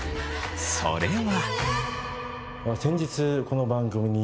それは。